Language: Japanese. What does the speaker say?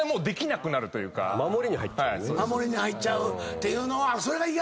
守りに入っちゃうっていうのはそれが嫌なのか。